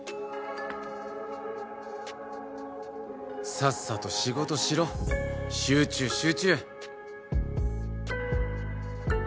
「さっさと仕事しろ集中、集中！」。